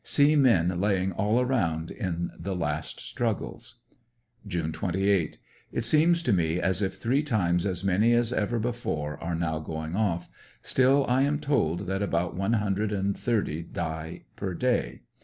See men laying all around in the last struggles. June 28. — It seems to me as if three times as many as ever before are now going off, still I am told that about one hundred and thir ty die per day.